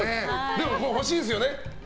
でも欲しいですよね。